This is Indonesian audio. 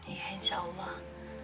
iya insya allah